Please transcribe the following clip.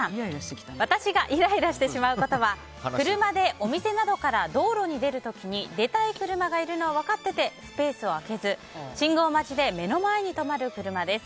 私がイライラしてしまうことは車でお店などから道路に出る時に出たい車がいるのを分かっててスペースを空けず信号待ちで目の前に止まる車です。